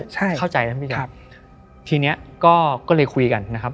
ใช่เข้าใจนะพี่แจ๊คครับทีเนี้ยก็เลยคุยกันนะครับ